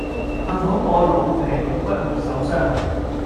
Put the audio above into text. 幸好我老皮老骨沒受傷